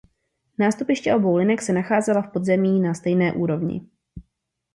Nástupiště obou linek se nacházela v podzemí na stejné úrovni.